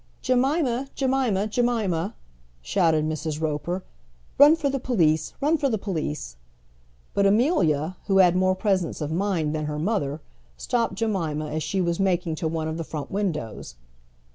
"Jemima, Jemima, Jemima!" shouted Mrs. Roper. "Run for the police; run for the police!" But Amelia, who had more presence of mind than her mother, stopped Jemima as she was making to one of the front windows.